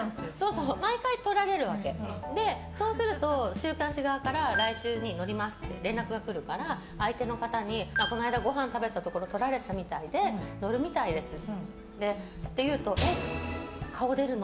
週刊誌側から来週に載りますって連絡が来るから相手の方に、この間ごはん食べたところ撮られていたみたいで載るみたいですって言うとえっ、顔出るの？